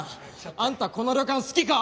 あんたこの旅館好きか？